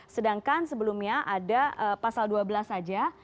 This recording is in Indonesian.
sedangkan sebelumnya ada pasal dua belas saja